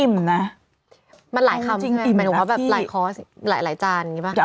อิ่มนะมันหลายคำใช่ไหมหมายหนูว่าแบบหลายกรอสหลายนึงใช่ไหม